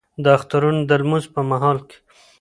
د اخترونو د لمونځ په مهال کې